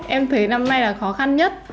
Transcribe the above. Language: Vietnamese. em thấy năm nay là khó khăn nhất